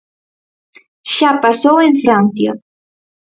Xa pasou en Francia.